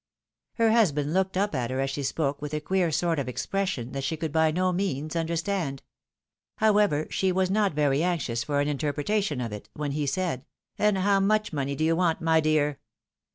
Her husband looked up at her as she spoke with a queer sort of expression that she could by no means understand. How ever, she was not very anxious for an interpretation of it, when he said, " And how much money do you want, my dear?